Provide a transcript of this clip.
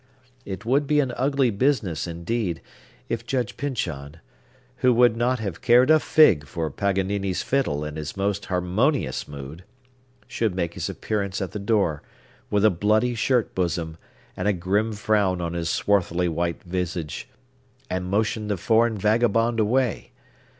It would be an ugly business, indeed, if Judge Pyncheon (who would not have cared a fig for Paganini's fiddle in his most harmonious mood) should make his appearance at the door, with a bloody shirt bosom, and a grim frown on his swarthily white visage, and motion the foreign vagabond away!